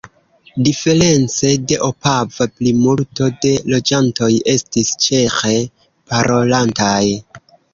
Diference de Opava plimulto de loĝantoj estis ĉeĥe parolantaj.